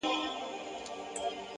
د احساساتو توازن د عقل ځواک زیاتوي